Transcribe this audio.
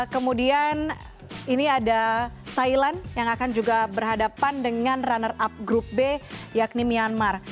kemudian ini ada thailand yang akan juga berhadapan dengan runner up grup b yakni myanmar